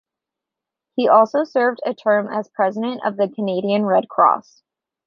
He also served a term as president of the Canadian Red Cross.